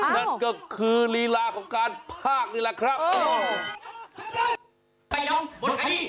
นั่นก็คือลีลาของการพากนี่แหละครับ